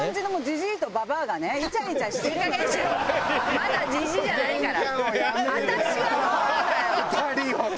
まだジジイじゃないから。